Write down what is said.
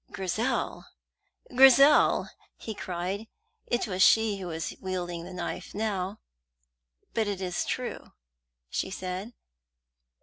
"Grizel, Grizel!" he cried. It was she who was wielding the knife now. "But it is true," she said.